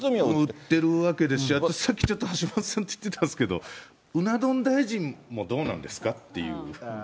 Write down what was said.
打ってるわけですし、さっきちょっと橋下さんと言ってたんですけど、うな丼大臣もどうなんですかっていう。